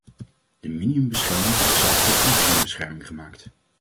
De minimumbescherming wordt zelfs tot maximumbescherming gemaakt.